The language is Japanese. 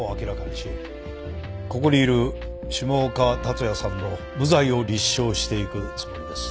ここにいる島岡達也さんの無罪を立証していくつもりです。